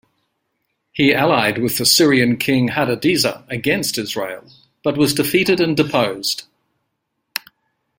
He allied with the Syrian king Hadadezer against Israel but was defeated and deposed.